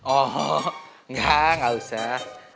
oh engga ga usah